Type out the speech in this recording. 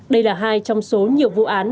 đây là hai trong số nhiều vụ án